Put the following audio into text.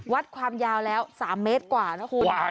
วัดความยาวแล้ว๓เมตรกว่านะคุณ